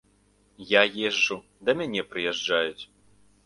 Я езджу, да мяне прыязджаюць.